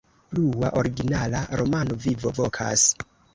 Plua originala romano: "Vivo Vokas".